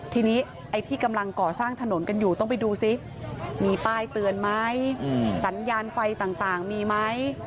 ทีนี้ไอ้ที่กำลังก่อสร้างถนนกันอยู่ต้องไปดูซิมีป้ายเตือนไหมสัญญาณไฟต่างมีไหม